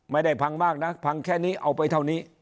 ไม่ได้พังมากนะพังแค่นี้เอาไปเท่านี้